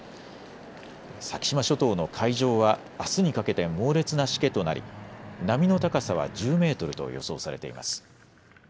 先島諸島の海上はあすにかけて猛烈なしけとなり、波の高さは１０メートルと予想されています。